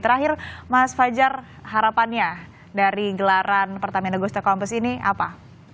terakhir mas fajar harapannya dari gelaran pertaminaan minami nagus to campus ini apa